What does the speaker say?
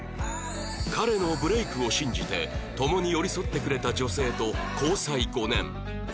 彼のブレイクを信じて共に寄り添ってくれた女性と交際５年